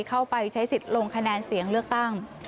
เข้าไปใช้สิทธิ์ลงคะแนนเสียงเลือกตั้ง